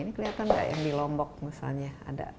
ini kelihatan gak yang di lombok misalnya ada